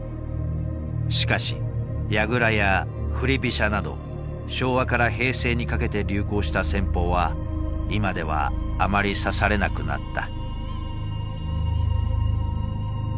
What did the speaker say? しかし矢倉や振り飛車など昭和から平成にかけて流行した戦法は今ではあまり指されなくなった。